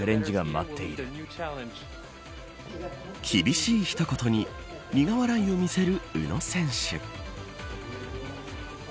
厳しい一言に苦笑いを見せる宇野選手。